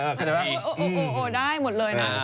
ตอนนี้มีน้องมิวนิถา